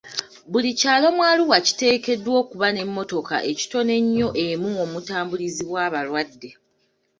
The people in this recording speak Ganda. Buli kyalo mu Arua kiteekeddwa okuba n'emmotoka ekitono ennyo emu omutambulizibwa abalwadde.